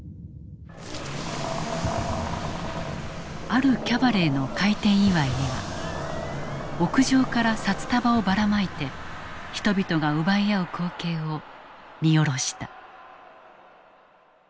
あるキャバレーの開店祝には屋上から札束をばらまいて人々が奪い合う光景を見下ろした。